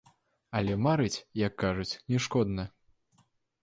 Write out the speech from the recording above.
Але марыць, як кажуць, не шкодна.